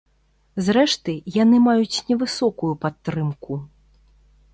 Зрэшты, яны маюць невысокую падтрымку.